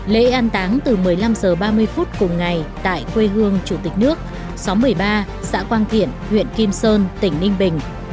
lễ an táng từ một mươi năm h ba mươi phút cùng ngày tại quê hương chủ tịch nước xóm một mươi ba xã quang thiện huyện kim sơn tỉnh ninh bình